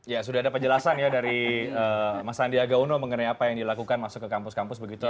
ya sudah ada penjelasan ya dari mas sandiaga uno mengenai apa yang dilakukan masuk ke kampus kampus begitu